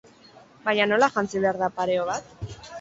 Baina nola jantzi behar da pareo bat?